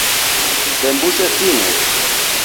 Sembuse simu